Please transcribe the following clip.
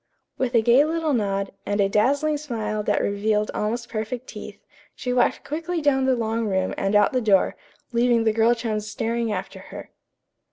With a gay little nod, and a dazzling smile that revealed almost perfect teeth, she walked quickly down the long room and out the door, leaving the girl chums staring after her.